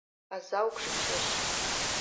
Аза укшинчеш...